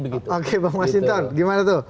oke bapak mas hinton gimana tuh